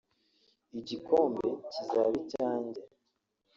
Igikombe kizaba icyanjye”